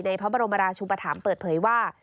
ในพระบรมราชุมประถามเปิดเผยว่า